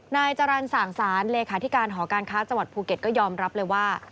นายจรรย์สั่งสารเลขาธิการหอการค้าจังหวัดภูเก็ตก็ยอมรับเลยว่า